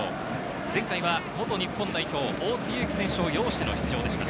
前回は元日本代表・大津祐樹選手を擁しての出場でした。